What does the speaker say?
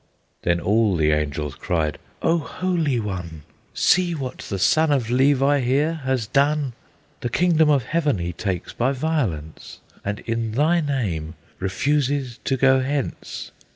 Then all the Angels cried, "O Holy One, See what the son of Levi here has done! The kingdom of Heaven he takes by violence, And in Thy name refuses to go hence!"